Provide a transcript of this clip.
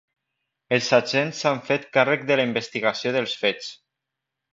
Els agents s’han fet càrrec de la investigació dels fets.